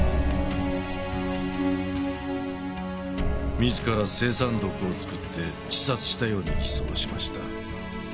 自ら青酸毒を作って自殺したように偽装しました。